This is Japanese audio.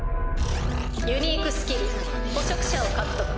「ユニークスキル捕食者を獲得。